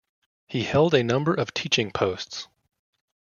He held a number of teaching posts.